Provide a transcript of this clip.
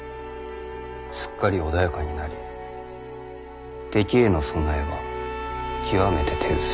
すっかり穏やかになり敵への備えは極めて手薄。